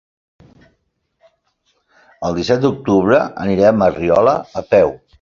El disset d'octubre anirem a Riola a peu.